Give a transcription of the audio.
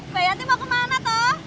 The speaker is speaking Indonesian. mbak yanti mau kemana toh